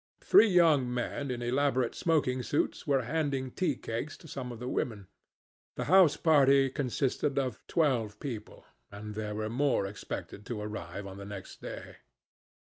Three young men in elaborate smoking suits were handing tea cakes to some of the women. The house party consisted of twelve people, and there were more expected to arrive on the next day.